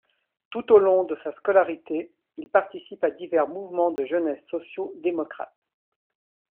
Tout au long de sa scolarité, il participe à divers mouvements de jeunesse sociaux-démocrates.